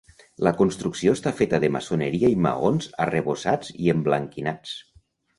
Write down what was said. La construcció està feta de maçoneria i maons arrebossats i emblanquinats.